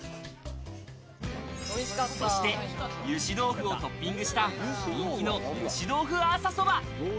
そして、ゆし豆腐をトッピングした人気のゆし豆腐アーサそば。